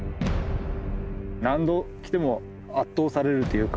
何度来ても圧倒されるというか